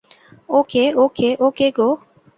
O K, okay, okay go.